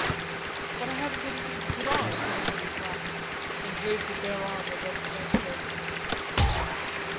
"But I haven't anything to put on," said Andrews, laughing, and waved a bare arm above the bedclothes.